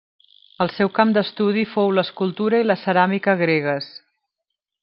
El seu camp d'estudi fou l'escultura i la ceràmica gregues.